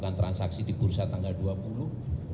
baik terima kasih bu menko